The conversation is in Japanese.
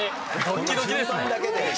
ドッキドキですね。